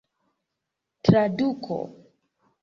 traduko